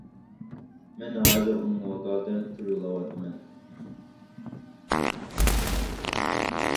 مەن ھازىر ئۇنىڭغا ۋاكالىتەن ئۇچۇر يوللاۋاتىمەن.